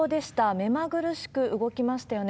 目まぐるしく動きましたよね。